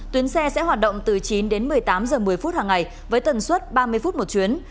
tuyến xe sẽ hoạt động từ chín đến một mươi tám h một mươi phút hàng ngày với tần suất ba mươi phút một chuyến